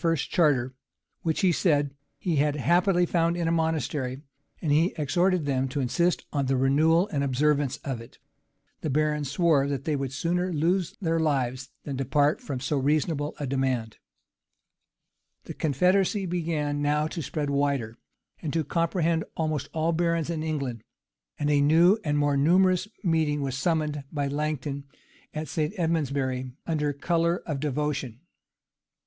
's charter, which, he said, he had happily found in a monastery; and he exhorted them to insist on the renewal and observance of it: the barons swore that they would sooner lose their lives than depart from so reasonable a demand.[] [* Chron. Mailr. p. 188. T. Wykes, p. 36. Ann. Waverl. p. 181 W. Heming. p. 657.] [ M. Paris, p. 167.] The confederacy began now to spread wider, and to comprehend almost all the barons in England; and a new and more numerous meeting was summoned by Langton at St. Edmondsbury, under color of devotion.